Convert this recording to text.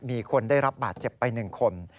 มีคนได้รับบาดเจ็บไป๑คน